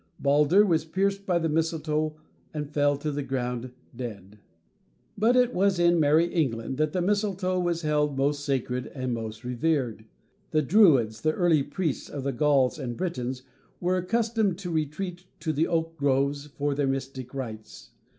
Baldur was pierced by the mistletoe and fell to the ground, dead. But it was in "Merrie England" that the mistletoe was held most sacred, most revered. The Druids, the early priests of the Gauls and Britons, were accustomed to retreat to the oak groves for their mystic rites.